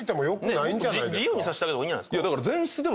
自由にさせてあげた方がいいんじゃないですか？